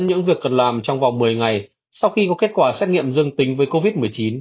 những việc cần làm trong vòng một mươi ngày sau khi có kết quả xét nghiệm dương tính với covid một mươi chín